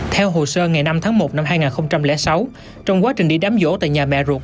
theo hồ sơ ngày năm tháng một năm hai nghìn sáu trong quá trình đi đám vỗ tại nhà mẹ ruột